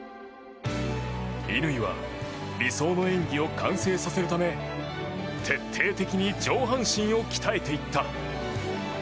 乾は理想の演技を完成させるため徹底的に上半身を鍛えていった。